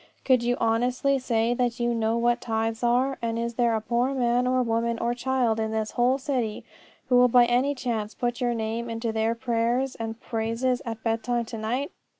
Could you honestly say that you know what tithes are? And is there a poor man or woman or child in this whole city who will by any chance put your name into their prayers and praises at bedtime to night?